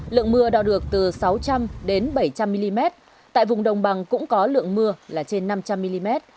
lượng mưa đo được từ sáu trăm linh đến bảy trăm linh mm tại vùng đồng bằng cũng có lượng mưa là trên năm trăm linh mm